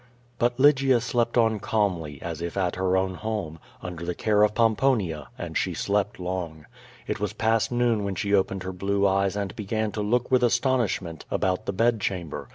But Lygia slept on calmly, as if at her o^vn home, under the care of Pomponia, and she slept long. It was past noon when she opened her blue eyes and began to look with aston ishment about the bed chamber.